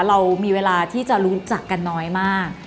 เรามีเวลาที่จะรู้จักกันน้อยมาก